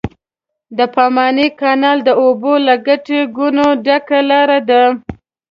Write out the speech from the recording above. د پاماني کانال د اوبو له ګټه ګونې ډکه لاره ده.